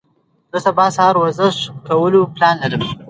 زه سبا سهار ورزش کولو پلان لرم.